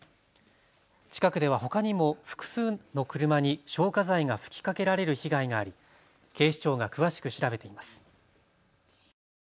近くではほかにも複数の車に消火剤が吹きかけられる被害があり警視庁が詳しく調べています。